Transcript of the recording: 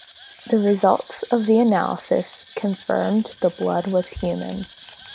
The results of the analysis confirmed the blood was human.